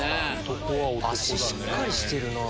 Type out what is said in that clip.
脚しっかりしてるなぁ。